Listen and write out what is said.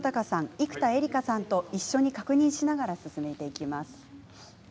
生田絵梨花さんと一緒に確認しながら進められます。